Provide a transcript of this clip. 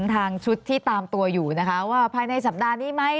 ทางชุดที่ตามตัวอยู่นะคะว่าภายในสัปดาห์นี้ไหม